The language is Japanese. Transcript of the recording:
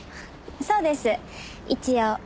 そうです一応。